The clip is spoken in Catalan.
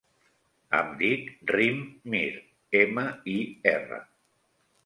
Em dic Rim Mir: ema, i, erra.